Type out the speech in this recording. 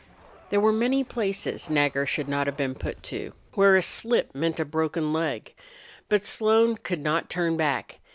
There were many places Nagger should not have been put to where a slip meant a broken leg. But Slone could not turn back.